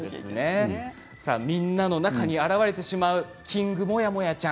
みんなの中に現れてしまうキングモヤモヤちゃん